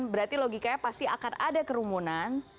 berarti logikanya pasti akan ada kerumunan